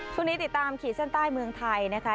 ติดตามขีดเส้นใต้เมืองไทยนะคะ